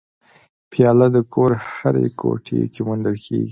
پیاله د کور هرې کوټې کې موندل کېږي.